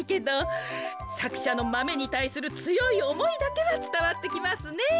さくしゃのマメにたいするつよいおもいだけはつたわってきますね。